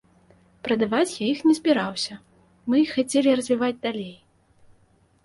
Прадаваць я іх не збіраўся, мы іх хацелі развіваць далей.